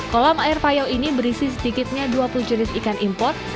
kolam air payau ini berisi sedikitnya dua puluh jenis ikan import